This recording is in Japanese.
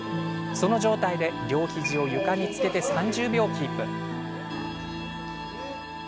その状態で両肘を床につけて３０秒キープ。